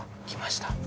来ました。